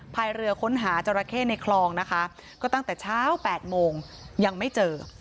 พายเรือค้นหาจราเข้ในคลองนะคะก็ตั้งแต่เช้า๘โมงยังไม่เจอ